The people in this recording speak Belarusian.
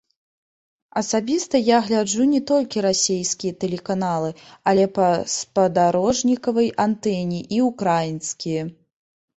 Асабіста я гляджу не толькі расейскія тэлеканалы, але па спадарожнікавай антэне і ўкраінскія.